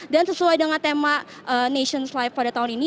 dan sesuai dengan tema nation's life pada tahun ini